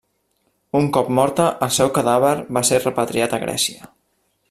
Un cop morta el seu cadàver va ser repatriat a Grècia.